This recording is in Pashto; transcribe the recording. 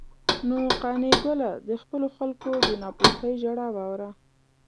نو قانع ګله، د خپلو خلکو د ناپوهۍ ژړا واوره.